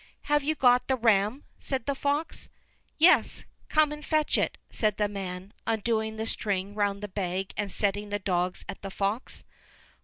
"Have you got the ram?" said the fox. "Yes, come and fetch it," said the man, undoing the string round the bag and setting the dogs at the fox.